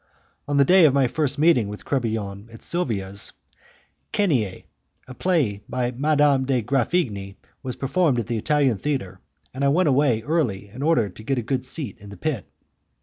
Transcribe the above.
On the day of my first meeting with Crebillon at Silvia's, 'Cenie', a play by Madame de Graffigny, was performed at the Italian Theatre, and I went away early in order to get a good seat in the pit.